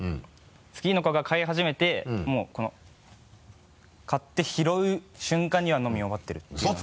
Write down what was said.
次の子が買い始めてもうこの買って拾う瞬間には飲み終わっているっていうような。